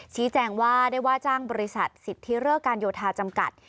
ชี้แจงว่าได้ว่าจ้างบริษัทสิทธิเลิกการโยธาจำกัด